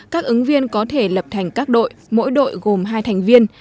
các ứng viên có thể lập thành các đội mỗi đội gồm hai thành viên